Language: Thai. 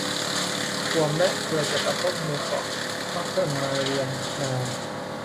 กวมและเครือจักรภพหมู่เกาะนอร์ธเทิร์นมาเรียนา